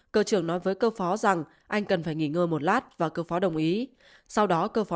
cơ trưởng nói với cơ phó rằng anh cần phải nghỉ ngơi một lát và cơ phó đồng ý sau đó cơ phó